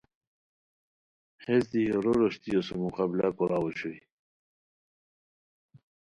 ہیس دی یورو روشتیو سُم مقابلہ کوراؤ اوشوئے